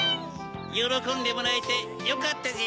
よろこんでもらえてよかったぜ！